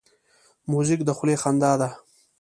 موزیک د خولې خندا ده.